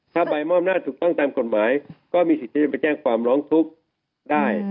ถ้าใบมอบหน้าถูกต้องตามกฎหมายก็มีสิทธิ์ที่จะไปแจ้งความร้องทุกข์ได้